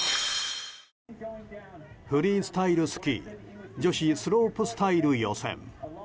フリースタイルスキー女子スロープスタイル予選。